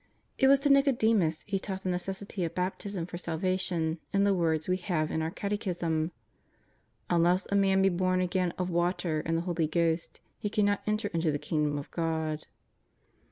It was to ISTicodemus He taught the necessity of Baptism for salvation in the words we have in our Catechism :" Unless a man be born again of water and the Holy Ghost, he cannot enter into the kingdom of God.''